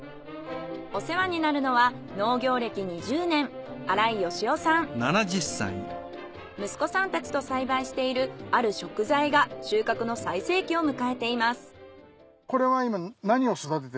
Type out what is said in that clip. お世話になるのは農業歴２０年息子さんたちと栽培しているある食材が収穫の最盛期を迎えています。